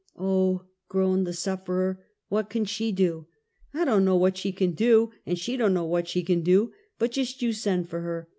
" Oh!" groaned the sufferer, "what can she do?" " I don't know what she can do; an' slie don't know what she can do; but just you send for her!